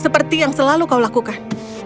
seperti yang selalu kau lakukan